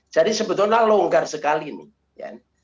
jadi sebetulnya longgar sekali nih